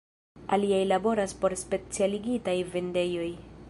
Aliaj laboras por specialigitaj vendejoj.